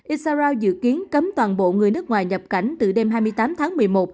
isarau dự kiến cấm toàn bộ người nước ngoài nhập cảnh từ đêm hai mươi tám tháng một mươi một